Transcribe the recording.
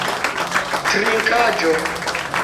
trinkaĵo